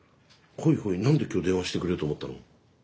ほいほい何で今日電話してくれようと思ったの？